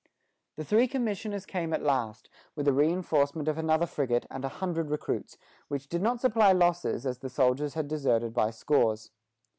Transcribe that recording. " The three commissioners came at last, with a reinforcement of another frigate and a hundred recruits, which did not supply losses, as the soldiers had deserted by scores.